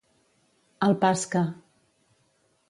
Al pas que.